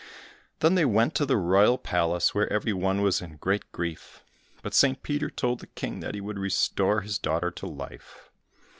Then they went to the royal palace, where every one was in great grief, but St. Peter told the King that he would restore his daughter to life.